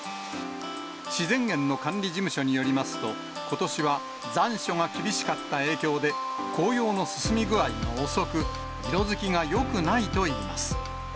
自然園の管理事務所によりますと、ことしは残暑が厳しかった影響で、紅葉の進み具合が遅く、色づきがよくないといいます。